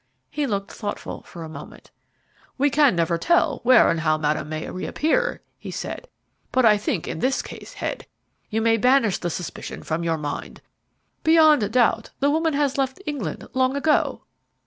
He looked thoughtful for a moment. "We never can tell where and how Madame may reappear," he said; "but I think in this case, Head, you may banish the suspicion from your mind. Beyond doubt, the woman has left England long ago."